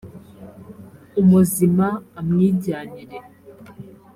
umuzima amwijyanire